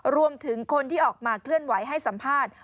รวมถึงคนที่ออกมาเคลื่อนไหวให้สัมภาษณ์